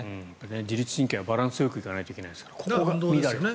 自律神経はバランスよくいかないといけないですから。